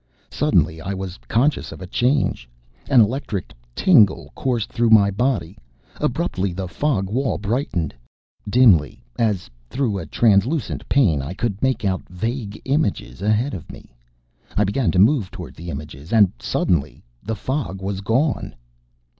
Suddenly I was conscious of a change. An electric tingle coursed through my body. Abruptly the fog wall brightened. Dimly, as through a translucent pane, I could make out vague images ahead of me. I began to move toward the images and suddenly the fog was gone!